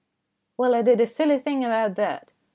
"Well, I did a silly thing about that.